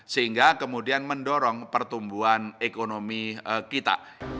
sehingga kemudian mendorong pertumbuhan ekonomi kita